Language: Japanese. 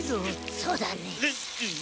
そうだね。